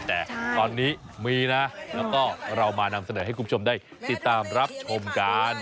แต่ตอนนี้มีนะแล้วก็เรามานำเสนอให้คุณผู้ชมได้ติดตามรับชมกัน